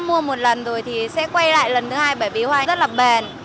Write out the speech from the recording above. người ta mua một lần rồi thì sẽ quay lại lần thứ hai bởi vì hoa này rất là bền